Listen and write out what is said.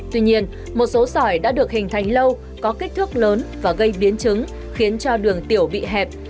tuy nhiên một số sỏi đã được hình thành lâu có kích thước lớn và gây biến chứng khiến cho đường tiểu bị hẹp